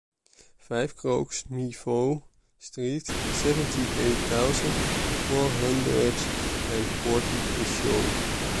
five Croix Mi Voie street, seventy eight thousand four hundred and forty Issou